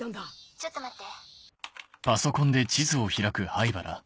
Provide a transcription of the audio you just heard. ちょっと待って。